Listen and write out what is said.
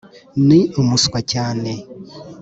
ni umuswa cyane.